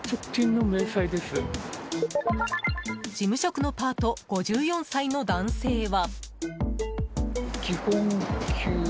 事務職のパート５４歳の男性は。